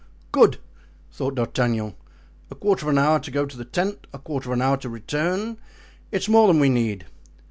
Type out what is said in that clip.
"Good!" thought D'Artagnan; "a quarter of an hour to go to the tent, a quarter of an hour to return; it is more than we need."